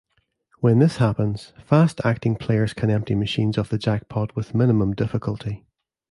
When this happens, fast-acting players can empty machines of the jackpot with minimum difficulty.